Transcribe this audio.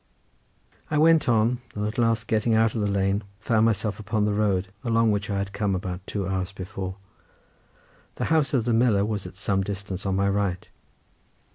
I went on and at last getting out of the lane, found myself upon the road, along which I had come about two hours before; the house of the miller was at some distance on my right.